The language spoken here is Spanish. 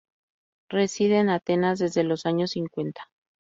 Reside en Atenas desde los años cincuenta.